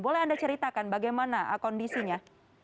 boleh anda ceritakan bagaimana kondisinya